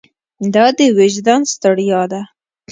دا د وجدان ستړیا ده.